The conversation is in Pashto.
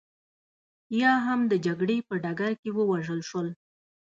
یا هم د جګړې په ډګر کې ووژل شول